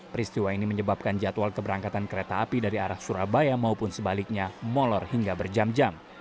peristiwa ini menyebabkan jadwal keberangkatan kereta api dari arah surabaya maupun sebaliknya molor hingga berjam jam